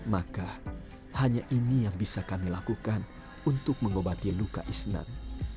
maka hanya ini yang bisa kami lakukan untuk mengobati luka isnat